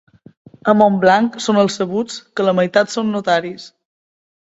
A Montblanc són els sabuts, que la meitat són notaris.